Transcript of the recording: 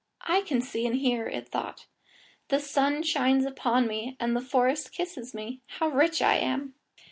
"I can see and hear," it thought; "the sun shines upon me, and the forest kisses me. How rich I am!"